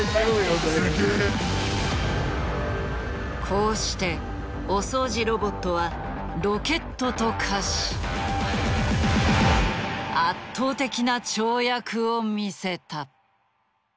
こうしてお掃除ロボットはロケットと化し圧倒的な跳躍を見せた。